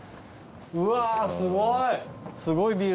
うわーすごい！